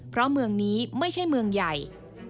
เพราะเมืองนี้ไม่ใช่เมืองใหญ่